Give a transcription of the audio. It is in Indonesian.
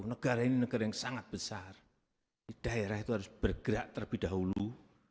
negara ini negara yang sangat besar di daerah itu harus bergerak terlebih dahulu